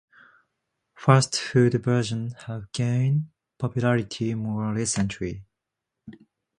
Fast food versions have gained popularity more recently.